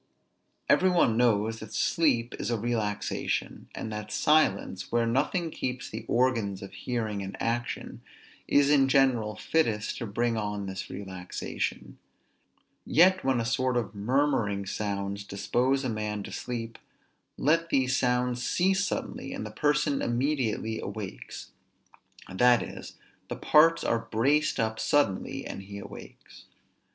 Every one knows that sleep is a relaxation; and that silence, where nothing keeps the organs of hearing in action, is in general fittest to bring on this relaxation; yet when a sort of murmuring sounds dispose a man to sleep, let these sounds cease suddenly, and the person immediately awakes; that is, the parts are braced up suddenly, and he awakes.